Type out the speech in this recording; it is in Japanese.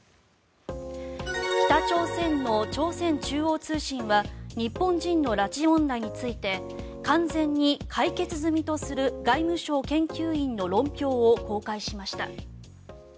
北朝鮮の朝鮮中央通信は日本人の拉致問題について完全に解決済みとする外務省研究員の論評を公開しました。